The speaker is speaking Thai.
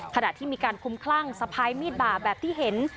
ขณะที่มีการคุ้มคลั่งสะพายมีดบ่าแบบที่เห็น